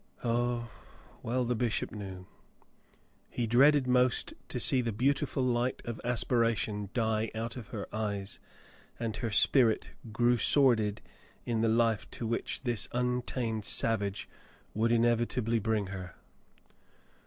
Oh, well the bishop knew ! Frale goes to Farington 73 He dreaded most to see the beautiful light of aspiration die out of her eyes, and her spirit grow sordid in the life to which this untamed savage would inevitably bring her.